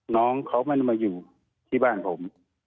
น้องเขาไม่ได้มาอยู่ที่บ้านผม